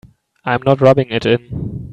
I'm not rubbing it in.